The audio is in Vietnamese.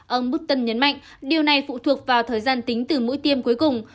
ông putin nhấn mạnh điều này phụ thuộc vào thời gian tính từ mũi tiêm cuối cùng